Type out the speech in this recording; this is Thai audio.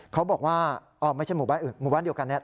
เขาบอกว่าอ๋อไม่ใช่หมู่บ้านอื่นหมู่บ้านเดียวกันเนี่ย